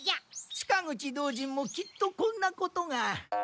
塚口道人もきっとこんなことが。